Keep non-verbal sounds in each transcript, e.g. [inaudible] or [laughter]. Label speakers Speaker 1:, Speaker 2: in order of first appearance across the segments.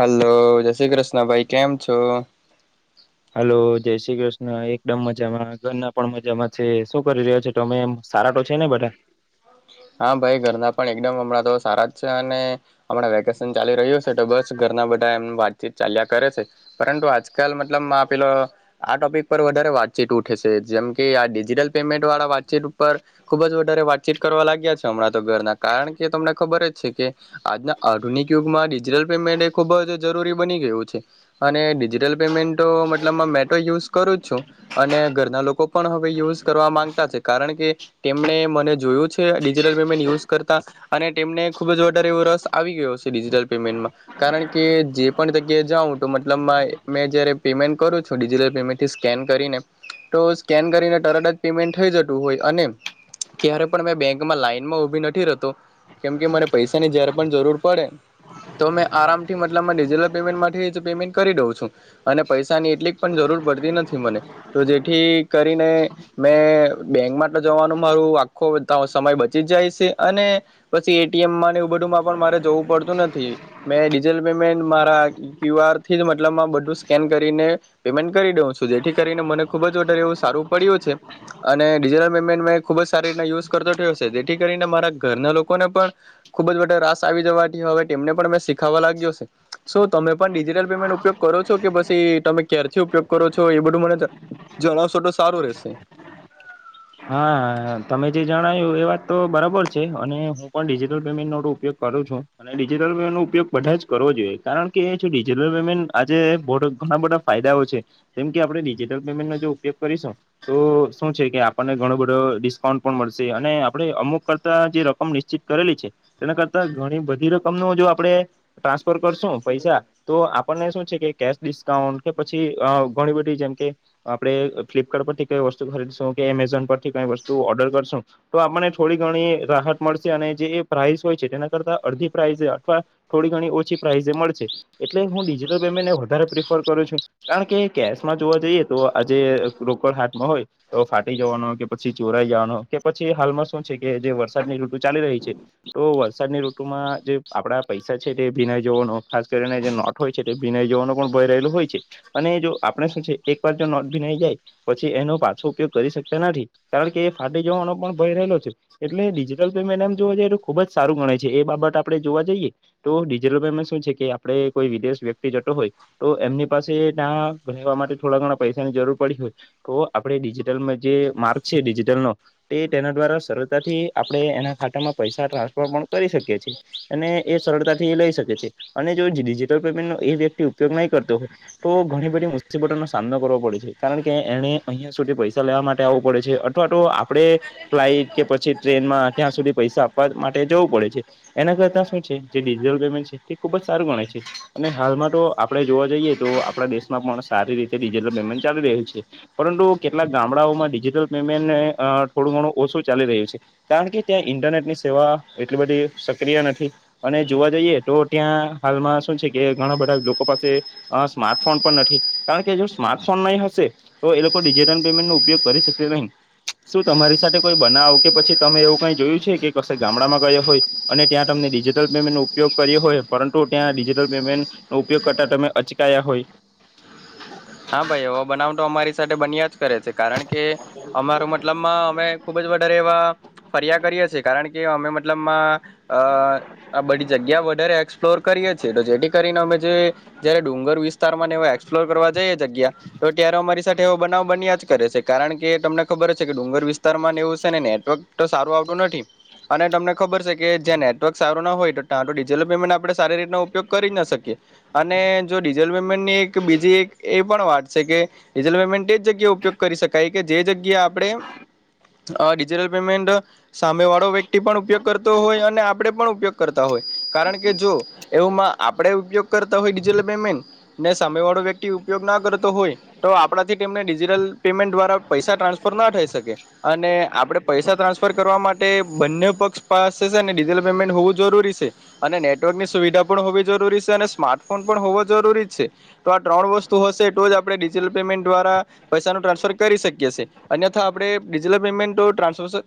Speaker 1: Hello જય શ્રી કૃષ્ણ ભાઈ કેમ છો.
Speaker 2: હલો જય શ્રી કૃષ્ણ એકદમ મજામાં ઘર ના પણ મજામાં છે શું કરી રહ્યા છેો તોમે એમ. સારાટો છે ને બધા.
Speaker 1: હા ભાઈ ઘરના પણ એકદમ હમણાં તો સારા જ છે અને હમણાં વેકેશન ચાલી રહ્યું છે તો બસ. ઘરના બધા એમ વાતચીત ચાલ્યા કરે છે પરંતુ આજકાલ મતલબ પેલો આ ટોપિક પર. વધ વાતચીત ઉઠે છે જેમ કે આ ડિજિટલ પેમેન્ટ વાળા વાતચીત ઉપર ખુબ જ વધારે વાતચીત. લ હમણાં તો ઘર કારણ કે તમને ખબર જ છે કે આજના આધુનિક યુગમાંિટલ. ખબ જ જરૂરી બની ગયું અને ડિજિટલ પેમેન્ટ મતલબ મેટ ુઝ કરું. ઘરના લોકો પણ હવે યુ કરવા માંગતા છે કારણ કે તેમણે મને જોયું. ટલ પેમેન્ટ યુઝ કરતા અને તેમને ખુબ જ વધારે એવો રસ આવી ગયો છે ડિજિટલ પેમેન્ટમાં. કારણ કે જે પણ જગ્યાએ જાઉં તો મતલબ મેં જયારે પેમેન્ટ કરું છું ડિજિટલ પેમેન્ટથી સ્કેન. ન કરી તર જ પેમેન્ટ થ જતું હોય અને ત્યારે પણ મે. બેંકમાં લાઈન માં ઉભી નથી રતો કેમ કે મને પૈસાની ઝેર પણ જરૂર પડે. તો મેં આરામ થી મતલબમાં ડિજિટલ પેમેન્ટ માટે પેમેન્ટ કરી દઉં છું અને પૈસાની એટલી પણ જરૂર. નથી મને તો જેથી કરીને મેં બેંક માટે જવાનું મારું આખો. તો સમય બચી જાય છે અને પછી એટીએમ એવું બધુંમાં પણ મારે જોવું પડતું નથી. મેં ડિજિટલ પેમેન્ટ મારા ક્યુઆરથી જ મતલબમાં બધું સ્કેન કરીને પેમેન્ટ કરી દઉં છું જેથી કરીને મને ખૂબ જ ઓર્ડર એવું સારું પડ્યું છે અને ડિજિટલ પેમેન્ટ મેં ખૂબ જ સારી રી યુઝ થયો જેથી કરીને મારા ઘરના લોકોને પણ ખુબ જ રાસ આવી જવાથી હવે તેમને પણ મે ીખાવા લાગ્યો તમે પણ ડિજિટલ પેમેન્ટ ઉપયોગ કરો છો કે પછી તમે ક્યરથી ઉપયોગ કરો છો એ બધું મને જણાવશો તો સારું રશે
Speaker 2: હા હ તમે જે જણાવ્યું એ વાત તો બરાબર છે અને હું પણ ડિજિટલ પેમેન્ટ નો ઉપયોગ કરું છું અને ડિજટલ પેમેન્ટ નો ઉપયોગ બધા જ કરવો જોઈએ કારણ કે જે ડિજિટલ પેમેન્ટ આજે ઘણા બધા ફાયદાઓ કેમ કે આપ ડિજિટલ પેમેન્ટ નો ઉપગ કરીશ તો શું છે કે આપણને ઘણો બધો મળશે અને આપણે અમુક કરતા જે રકમ નિશ્ચિત કરેલી છે તેના કરતા ઘણી બધી રકમ જો આપે ટ્રાન્સફર કરશું પૈસા તો આપને શું છે કે કે ડિસ્કાઉન્ટ કે પછી અ ઘણી બધી જેમ કે આપડણે ફ્લિપકાર્ટ પરથી કઈ વસ્તુ ખરીદીશું કે એમેઝન પરથી કઈ વસ્તુ ઓર્ડર કરશું તો આપને થોડી ઘણી રાહત મળશે અને જે પ્રાઇસ હોય છે તેના કરતા અડધી પ્ર અથવા થોડી ગણી ઓછી પ્રાઈઝ મરશે, એતલે હું ડિજિટલ પેમેન્ટને વધુ પસંદ કરું છું. કારણ કે કેશમાં જોવા જઈએ તો આજે રોકડ હા્ટમાં હોય તો ફાટી જવાનો કે પછી પછી ચોરાઈ જવાનો કે પછી હાલમાં શું છે કે જે વરસાદની ઋતુ ચાલી રહી છે તો વરસાદની ઋતુમાં જે આપડા પૈસા છે તે ભીનાય જવાનો ખાસ કરીને જે નોટ હોય છે તે ભીનાય જવાનો પણ ભય રહેલું હોય છે અને જો આપણે શું છે એક વાર જો નોટ ભીનાઈ જાય પછી એનો પાછો ઉપયોગ કરી શકતા નથી કારણ કે એ ફાટી જવાનો પણ ભય રહેલો છે એટલે ડિજિટલ પેમેન્ટ એમ જો એ ખુબ જ સારું ગણે છે એ આપ જોવા જઈએ તો ડિજિટલ પેમેન્ટ શું છે કે આપેદે કોઈ વિદેશ વ્યક્તિ જતો હોય તો એમની ના માટે થોડા ઘણા પૈસાની જરૂર પડી હોય તો આપણે ડિજિટલમાં જે માર્ છે ડિજિટલનો તે તેના દ્વારા સરળતાથી આપણે એના ખાતામાં પૈસા ટ્રાન્સફર પણ કરી શકીએ છીએ અને એ સરળતાથી લઈ શકે છે અને જો ડિજિટલ પેમેન્ટ નો એ વ્યક્તિ ઉપયોગ નહી કરતો હોય તો ઘણી બધી મુસીબતો નો સામનો કરવો પડે છે કારણ કે એને અહિયાં સુધી પૈસા લેવા માટે આવું પડે છે અથવા તો આપડે ફ્લાઈટ કે પછી ટ્રેનમાં ત્યાં સુધી પૈસા આપવા માટે જવું પડે છે એના કરતા શું છે જ ડિજિટલ પેમેન્ટ છે તે ખુબ જ સારું ગણાય છે અને હાલમાં તો આપડણે જોવા જઈએ આપ દેશમાં પણ સારી રીતે ડિજિટલ પેમેન્ટ ચાલી રહ્યું છે પરંતુ કેટલાક ગામડાઓમાં પેમેન્ટ થોડું ઘણું ઓછું ચાલી રહ્યું છે કારણ કે ત્યાં ઇન્ટરનેટ ની સેવા એટલી બધી સક્રિય નથી અને જોવા જઈએ તો ત્યાં હાલમાં શું છે કે ઘણા બધા લોકો પાસે અ સ્માર્ટ ફોન પણ નથી કારણ કે જો સ્માર્ટફોન નહી હશે તો એ લોકો ડિજિટલ પેમેન્ટ નો ઉપયોગ કરી શકે તે નહી શું તમારી સાથે કોઈ બનાવ કે પછી તમે એવું કઈ જોયું છે કે ક ગામડામાં ગયો હોય અને ત્યાં તમને ડિજિટલ પેમેન્ટ નો ઉપયોગ કર્યો હોય પરંતુ ત્યાં ડિજિટલ પેમેન્ટ નો ઉપયોગ કરતા તમે અચકાયા હોય
Speaker 1: હા ભાઈ એ બનાવ તો અમારી સાથે બન્યા જ કરે છે કારણ કે અમારો મતલબમાં અમે ખુબ જ વધારે એવા ફરિયા કરીએ છીએ કારણ કે અમે લમાં અ આ બધી જગ્યા વધારે એક્સપ્લોર કરીએ છીએ તો જેથી કરીને અમે જયારે ડુંગ અર વિસ્તાર ને એક્સપ્લોર કરવા જઈએ જગ્યા તો ત્યારે અમારી સાથે એવો બનાવ બન્યો છે કરે છે કારણ કે તમને ખબર છે કે ડુંગર વિસ્તાર માં એવું છે ને નેટવર્ક તો સારું આવતું નથી અને તમને ખબર છે કે જ્યા નેટવર્ક સારું ના હોય તો તંયા તો ડિજિટલ પેમેન્ટ આપણે સારી રીતના ઉપયોગ કરી જ ના શકીએ અને જો ડિજિટલ પેમેન્ટની એક બીજી એક એ પણ વાત છે કે ડિજિટલ પેમેન્ટ એ જ જગ્યા ઉપયોગ કરી શકાય કે જે જગ્યા આપણે આ ડિજિટલ પેમેન્ટ સામે વાળો વ્યક્તિ પણ ઉપયોગ કરતો હોય અને આપડે પણ ઉપયોગ કરતા હોય કારણ કે જો એવમાં આપણે ઉપયોગ કરતા હોયિજટલ પેમેન્ટ ને સામે વાળો વ્યક્તિ ઉપયોગ ના કરતો હોય તો આપણાથી તેમને ડિજિટલ પેમેન્ટ દ્વારા પૈસા ટ્રાન્સફર ના થઈ શકે અને આપડે પૈસા ટ્રાન્સફર કરવા માટે બંને પક્ષ પાસે છે ને ડિજિટલ પેમેન્ટ હોવું જરૂરી છે નેટવર્કની સુવિધા હોવી જરૂરી છે અને સ્માર્ટફોન પણ હોવો જરૂરી છે ત્રણ વસ્તુ હશે તો જ આપણે ડિજિટલ પેમેન્ટ દ્વારા પૈસાનું ટ્રાન્સફર કરી શકીછીએ અન્યથા આપણે ડિજિટલ પેમેન્ટ તો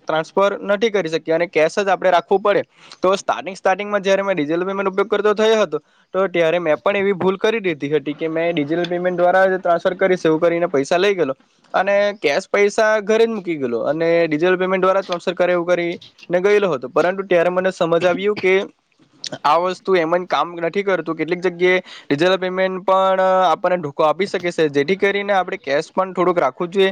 Speaker 1: ટ્રાન્સફર નથી કરી શક્યા અને કેશ જ આપડણે રાખવું પડે તો સ્થાનિક સ્ટાર્ટિંગમાં જય મેં ડીઝલમે ઉપયોગ કરતો થયો હતો તો ત્યારે મેં પણ એવી ભૂલ કરી દીધી હતી કે મેં ડિજિટલ પેમેન્ટ દ્વારા ટ્રાન્સફર કરી સ એવું કરીને પૈસા લઈ ગે અને કેશ પૈસા ઘરે મ ગ અનેટલ પેમેન્ટ દ્વારા્રાન્સર કરને ગયેલો હતો પરંતુ ત્યારે મને સમજ આવી આ વસ્તુ એમ કામ નથી કરતું કેટલીક જગ્યાએલ પેમેન્ટ પણ આપણને ોકો આપી શકે છે જેથી કરીને આપે કેશ પણ થોડુંક રાખવું જોઈએ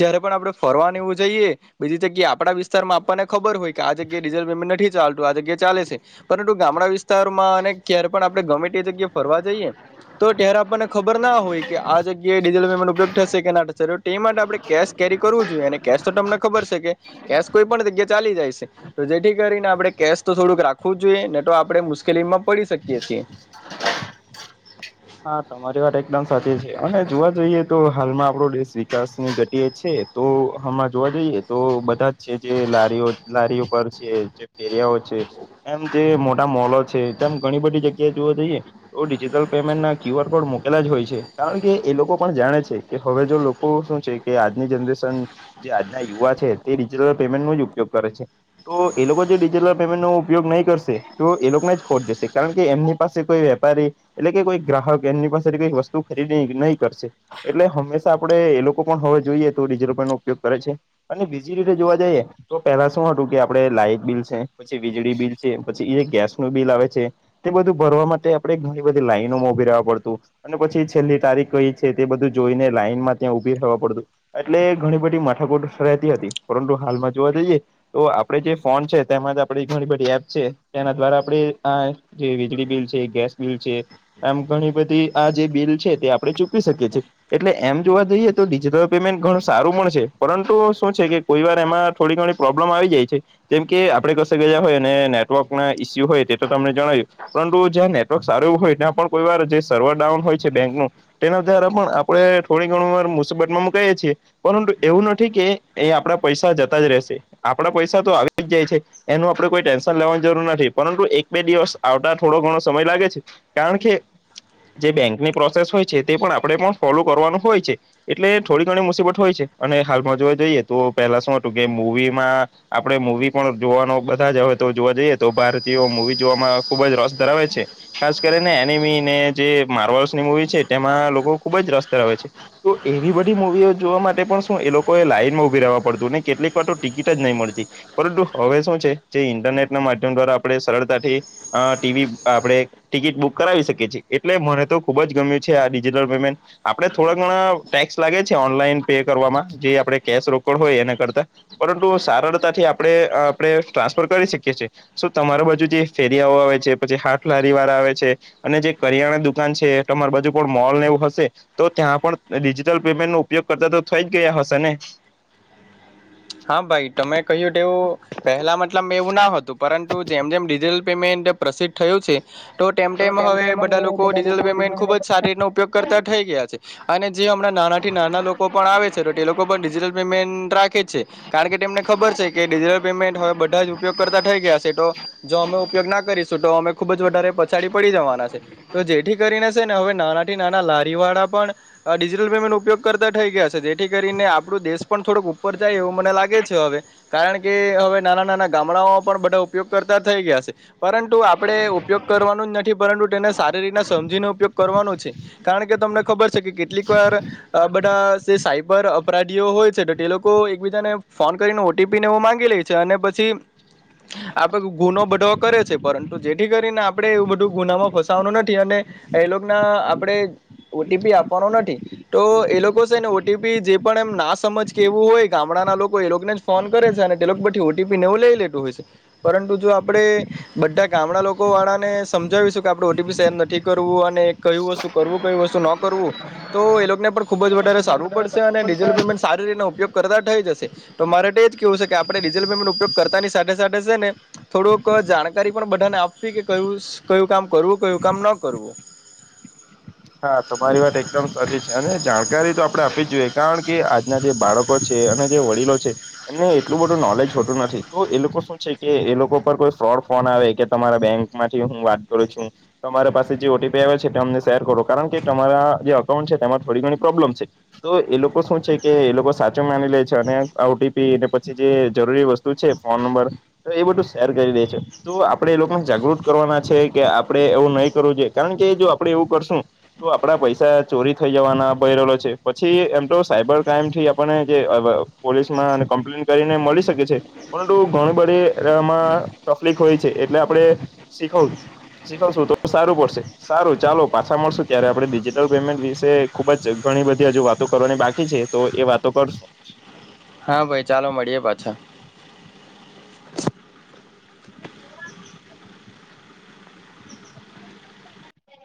Speaker 1: જયારે પણ આપ ફરવા એવું જઈએ બીજી જગ્યા આપડા વિસ્તારમાં આપણને ખબર હોય કે આ જગ્યા ડીઝલ પેમેન્ટ નથી ચાલતું આગ્યા ચાલે છે પરંતુ ગામડા વિસ્તારમાં અને ક્યારે પણ આપણે ગમે તે જગ્યા ફરવા જઈએ તો ત્યારે આપણને ખબર ના હોય કે આ જગ્યાએ ડીઝલ પેમેન્ટ ઉપયોગ થશે કે ના થશે તે માટે આપણે કેશ કેરી ું જોઈ કે તો તમને ખબર છે કે કેશ કોઈ પણ જગ્યા ચાલી જાય છે તો જેથી કરીને આપણે કે થોડુંક રાખવું જોઈએ નને તો આપડણે મુશ્કેલીમાં પડી શકીએ છીએ
Speaker 2: હા તમારી વાત એકદમ સાચી છે અને જોવા જઈએ તો હાલમાં આપડો દેશ વિકાસની ઘતિ જ છે તો હમાં જોવા જઈએ તો બધા જ છે જે લારીઓ લારીઓ પર છે જે ફેર્યા એમ જે મોટા મો છે તેમ ઘણી બધી જગ્યાએ જોવા જઈએ તો ડિજિટલ પેમેન્ટ ના ક્યુ આર કોડ મોકેલા જ હોય છે કારણ કે એ લોકો પણ જાણે છે કે હવે જો લોકો શું છે કે આજની જનરેન જ યુવા છે તેટલ પેમેન્ટ ન ઉપગ કરે છે તો એ લોકો જેિટલ પેન્ટ ન ઉપયોગ નહી કરશે તો એ લોકોને જ ખોટ જશે કારણ કે એમની પાસે કોઈ વેપારી એટલે કે કોઈ ગ્રાહક એમની પાસેથી કઈ વસ્તુ ખરીદી નહીં કરશે એટલે હંમેશા આપડે એ લોકો પણ હવે જોઈએ તો નો ઉપયોગ કરે છે અને બીજી રીતે જોવા જઈએ તો પેલા શું હતું કે આપડે લાઈટ બિલ છે વીજળી બિલ છે પછી એ ગેસ નું બિલ આવે છે તે બધું ભરવા માટે આપડે ઘણી બધી લાઈનો મો ડું અને પછી છેલ્લી તારીખ કઈ છે તે બધું જોઈને લાઈનમાં ત્યાં ઉભી થવા પડતું એટલે ઘણી બધી મથકો રહેતી હતી પરંતુ હાલમાં જોવા જઈએ તો આપણેે જે ફોન છે તેમાં જ આપ ઘણી બધ એપ છે તેના દ્વારા આપે આ જે વીજળી બિલ છે ગેસ બિલ છે આમ ઘણી બધી આ જે બિલ છે તે આપણે ચૂકીવી શકીએ છીએ એટલે એમ જોવા જઈએ તો ડિજિટલ પેમેન્ટ ઘું સારું પણ છે પરંતુ શું છે કે કોઈ વાર એમાં થોડી ઘણી પ્રોબ્લેમ આવી જાય છે જેમ કે આપડ હોય નેટવર્ક ના ઈસ્યુ હોય તે તો તમને જણાવ્યું પરંતુ જ્યાં નેટવર્ક સારું હોય ત્યાં પણ કોઈ વાર જે સર્વર ડઉન હોય છે બેંકું તેના દ્વારા પણ આપડણે થોડી ઘણું વાર મુશબતમાં મુકઈએ છીએ પરંતુ એવું નથી કે એ આપણા પૈસા જતા જ રહેશે આપણા પૈસા તો આવી જ જાય છે એનું આપણે કોઈ ટેન્શન લેવાની જરૂર નથી પરંતુ એક બે દિવસ આવતા થોડો ઘણો સમય લાગે છે કારણ કે
Speaker 1: હ
Speaker 2: જે બેંકની પ્રોસેસ હોય છે તે પણ આપણે પણ ફોલો કરવાનું હોય છે એટલે થોડી ઘણી મુસીબત હોય છે હાલમાં જોવા જઈએ તો પેલા શું હતું કે મવી માં આપે મવી પણ જોવાનો બધા જ હય તો જોવા જઈએ તો ભારતીયો મુૂવી જોવામાં ખુબ જ રસ ધરાવે છે ખાસ કરીને જે માર્વલ્સની મુવી છે તેમાં લોકો ખુબ જ રસ ધવે છે તો એવી બધી મુવીઓ જોવા માટે પણ શું એ લોકોએ લાઈન માં ઉભી રવા પડતું કેટલીક વાર તો ટિકિટ જ નહી મળતી પરંતુ હવે જે રનેટ મા્યમ દ્વારા આપ સરતાથી ટીવી આપણે ટિકિટ બુક કરાવી શકીએ છીએ એટલે મને તો ખુબ જ ગમ્યું છે આ ડિજિટલ પેમેન્ટ આપે થોડા ઘણા ટેક્સ લાગે છે ઓનલાન પે કરવામાં જે આપણે કેશ રોકડ હોય એના કરતા પરંતુ સરળતાથી આપણે આપણે ટ્રાન્સફર કરી શકીએ છીએ સ તમાર બાજુ જે ફેરીિયાઓ આવે છે પછી હાથ લારી વાળા આવે છે અને જે કરિયાણા દુકાન છે તમાર બાજુ પણ મોલને એવું હશે તો ત્યાં પણ ડિજિટલ પેમેન્ટ નું ઉપયોગ કરતા તો થઈ જ ગયા હશે ને
Speaker 1: હ હા ભાઈ તમે કહ્યું તેવું પહેલામાં એટલ મે એવું ના હતું પરંતુ જેમ જેમ ડિજિટલ પેમેન્ટ પ્રસિદ્ધ થયું છે તો ટમટેમ હવે બધા લોકો ડિજિટલ પેમેન્ટ ખુબ જ સારી રીતનો ઉપયોગ કરતા થઇ ગયા છે અને જે હમણાં નાના થી નાના લોકો પણ આવે છે તો તે લોકો પણ ડિજિટલ પેમેન્ટ રાખે છે કારણ કે તેમને ખબર છે કે ડિજિટલ પેમેન્ટ હવે બધા જ ઉપયોગ કરતા થઈ ગયા છે તો જો અમે ઉપયોગ ના કર કરીશું તો અમે ખુબ જ વધારે પછાડી પડી જવાના છે તો જેથી કરીને ને હવે નાના થી નાના લારીવાળ લ પેમેન્ટ ઉપયોગ કરતા થઈ ગયા જેથી કરીને આપડું દેશ પણ થોડક ઉપર જાય એવ મને લાગે છે હવે કારણ કે હવે નાના નાના ગામડાઓમાં પણ બધા ઉપયોગ કરતા થઈ ગયા છે પરંતુ આપણે ઉપયોગ કરવાનું જ નથી પરંતુ તેને સારી રીતના સમજીને ઉપયોગ કરવાનો છે કારણ કે તમને ખબર છે કે કેટલીક વાર આ બધા સાયબર અપરાધીઓ હોય છે તો તે લોકો સુાને ફોન કરીને ઓટીપી ને એવ માંગી લે છે અને પછી આપડ ગુનો બધો કરે છે પરંતુ જેથી કરીને આપડે એવું બધું ગુનામાં ફસવાનું નથી અને એ ના આપણે ઓટીપી આપવાનો નથી તો એ લોકો છે ને ઓપી જે પણ એમ ના સમજ કેવું હોય ગામડાના લોકો એ લોકોને જ ફોન કરે છે અને તે લોકો બી ઓટીપીનેવું લઈ લેતું હોય છે પરંતુ જો આપણે બધા ગામડા લોકો વાળા ને સમજાવીશું કે આપડણે ઓટીપી શેર નથી કરવું અને કયું વસ્તુ કરવું કઈ વતુ ન કરવું તો એ લોકોને પણ ખૂબ જ વધારે સારવું પડશે અને ડિજલ પેમેન્ટ સારી રીતે ઉપયોગ થ જશે તો મારે માટે જ કેવું છે કે આપણેિઝલ પેમેન્ટ ઉપગ કરતાની સાથે સાથે ને થોડુંક જાણકારી પણ બધાને આપવી કે કયું કયું કામ કરવું કયું કામ ન કરવું [inaudible]
Speaker 2: હા તમારી વાત એકદમ સચી છે અને જાણકારી તો આપડણે આપવી જ જોઈએ કારણ કે આજના જે બાળકો છે જે વડીલો છે એમને એટલું બધું નોલેજ હોતું નથી તો એ લોકો શું છે કે એ લોકો પર કોઈ ફોડ ફોન આવે કે તમારા બેંક માંથી હું વાત કરું છું તમારી પાસે જે ઓટીપી આવે છે અમને શેર કરો કારણ કે તમારા જે અકાઉન્ટ છે તેમાં થોડી ઘણી પ્રોબ્લેમ છે તો એ લોકો શું છે કે એ લોકો સાચો મેનેજ ે અને ઓપી પછી જે જરૂરી વસ્તુ છે ફોન નંબર તો એ બધું શેર કરી દે છે તો આપડણે એ લોકોને જાગૃત કરવાના છે કે આપડે એવું નહીં કરવું જોઈએ કારણ કે જો આપડે એવું કરશું તો આપડા પૈસા ચોરી થઈ જવાના ભયલો છે પછી એમ તો સાયબર ક્રાઈમ થી આપણને જે પોલીસમાં અને કમ્પ્લેન કરીને મળી શકે છે પરંતુ ઘણી બધીમાં તકલીફ હોય એટલે આપે શીખું શીખશું તો સારું પડશે સારું ચાલો પાછા મળશ ત્યારે આપણે ડિજિટલ પેમેન્ટ વિશે ખુબ જ ઘણી બધી હજુ વાતો કરવાની બાકી છે તો એ વાતો કરશું
Speaker 1: હા ભાઈ ચાલો મળીએ પાછા